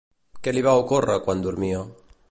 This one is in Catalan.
Què li va ocórrer quan dormia?